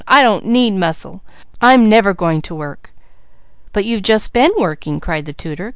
I don't need muscle. I'm never going to work." "But you've just been working!" cried the tutor.